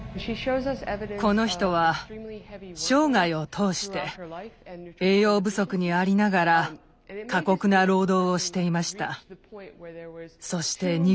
この人は生涯を通して栄養不足にありながら過酷な労働をしていました。